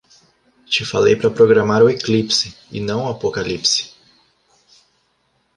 Te falei para programar o eclipse e não o apocalipse